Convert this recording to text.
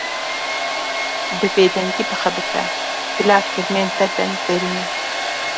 Bi bêdengî bixebite, bila kirinên te deng derînin.